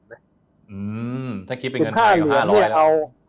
อืมถ้าคิบเป็นเงินไทยก็๕๐๐แล้ว๑๕เหรียญเนี่ย